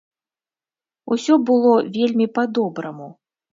Усё было вельмі па-добраму.